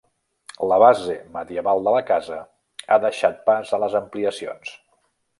La base medieval de la casa ha deixat pas a les ampliacions.